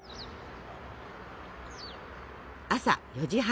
朝４時半。